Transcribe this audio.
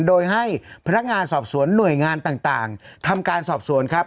โดยให้พนักงานสอบสวนหน่วยงานต่างทำการสอบสวนครับ